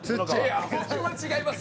僕は違います。